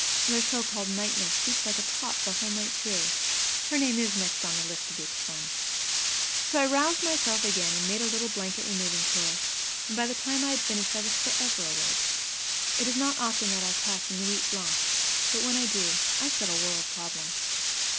Their so called night nurse sleeps like a top the whole night through. (Her name is next on the list to be expunged.) So I roused myself again, and made a little blanket removing tour, and by the time I had finished I was forever awake. It is not often that I pass a NUIT BLANCHE; but when I do, I settle world problems.